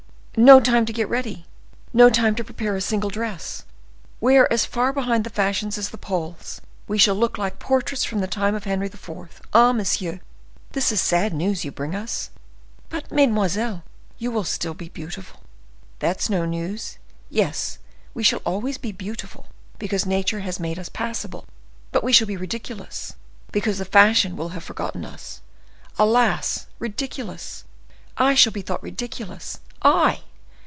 "No time to get ready! No time to prepare a single dress! We are as far behind the fashions as the Poles. We shall look like portraits from the time of Henry IV. Ah, monsieur! this is sad news you bring us!" "But, mesdemoiselles, you will be still beautiful!" "That's no news! Yes, we shall always be beautiful, because nature has made us passable; but we shall be ridiculous, because the fashion will have forgotten us. Alas! ridiculous! I shall be thought ridiculous—I!"